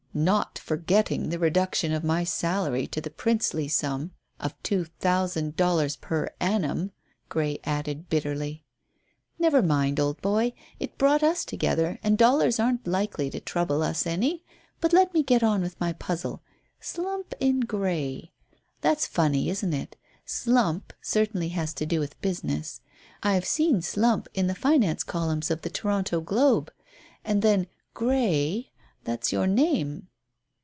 "Not forgetting the reduction of my salary to the princely sum of two thousand dollars per annum," Grey added bitterly. "Never mind, old boy, it brought us together, and dollars aren't likely to trouble us any. But let me get on with my puzzle. 'Slump in Grey.' That's funny, isn't it? 'Slump' certainly has to do with business. I've seen 'Slump' in the finance columns of the Toronto Globe. And then 'Grey.' That's your name."